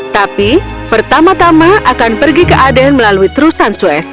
tapi pertama tama akan pergi ke aden melalui terusan suez